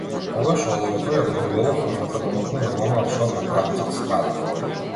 Тогаш оловото ја добивало формата токму на она од што паталецот страда.